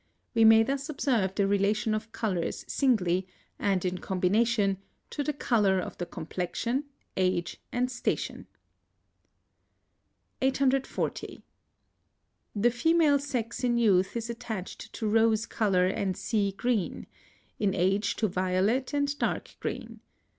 We may thus observe the relation of colours singly, and in combination, to the colour of the complexion, age, and station. 840. The female sex in youth is attached to rose colour and sea green, in age to violet and dark green.